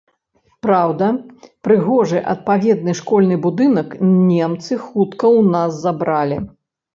Праўда, прыгожы адпаведны школьны будынак немцы хутка ў нас забралі.